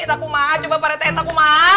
eta kumaha coba pak rete eta kumaha